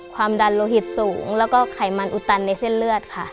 ความดันโลหิตสูงแล้วก็ไขมันอุตันในเส้นเลือดค่ะ